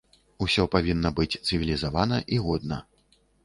Усё павінна быць цывілізавана і годна.